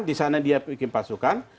di sana dia bikin pasukan